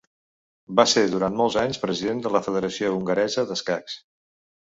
Va ser durant molts anys president de la Federació hongaresa d'escacs.